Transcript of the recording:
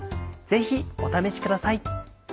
ぜひお試しください。